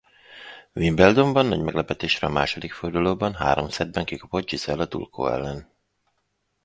Wimbledonban nagy meglepetésre a második fordulóban három szettben kikapott Gisela Dulko ellen.